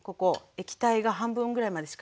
液体が半分ぐらいまでしか入ってない。